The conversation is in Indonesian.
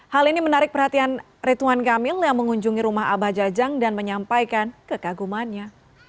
hal ini menarik perhatian rituan kamil yang mengunjungi rumah abah jajang dan menyampaikan kekagumannya